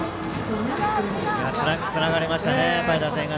つながりましたね、打線が。